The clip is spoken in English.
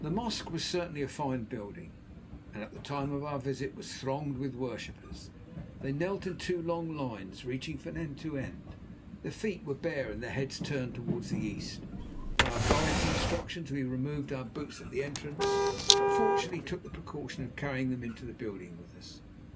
The mosque was certainly a fine building, and at the time of our visit was thronged with worshippers. They knelt in two long lines, reaching from end to end, their feet were bare, and their heads turned towards the east. By our guide's instructions we removed our boots at the entrance, but fortunately took the precaution of carrying them into the building with us.